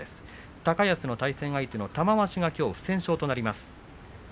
高安の対戦相手の玉鷲はきょう不戦勝となります。